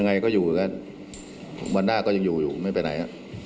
ยังไงก็อยู่แหละวันหน้าก็ยังอยู่ไม่ไปไหน